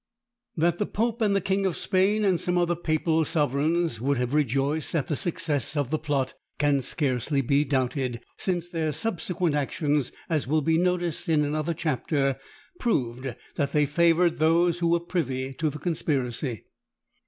That the pope and the king of Spain, and some other papal sovereigns, would have rejoiced at the success of the plot, can scarcely be doubted, since their subsequent actions, as will be noticed in another chapter, proved that they favoured those who were privy to the conspiracy.